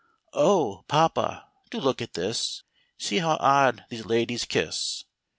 O! papa, do look at this, See how odd these ladies kiss.